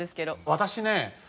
私ね